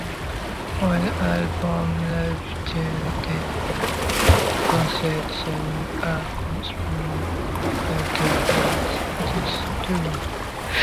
Un album live tiré de ce concert s'écoule à exemplaires et devient disque d'or.